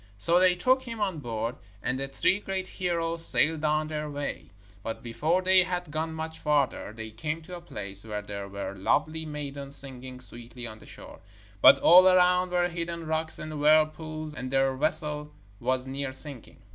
So they took him on board, and the three great heroes sailed on their way. But before they had gone much farther, they came to a place where there were lovely maidens singing sweetly on the shore, but all around were hidden rocks and whirlpools, and their vessel was near sinking.